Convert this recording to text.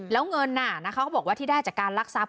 แล้วเงินเขาก็บอกว่าที่ได้จากการรักทรัพย